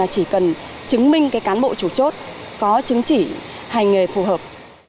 chỉ cần chứng minh cái cán bộ chủ chốt có chứng chỉ hành nghề phù hợp